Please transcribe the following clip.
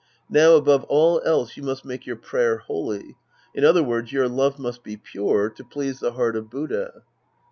Now above all else, you must make your prayer holy. In other words, your love must be pure to please the heart of Buddha.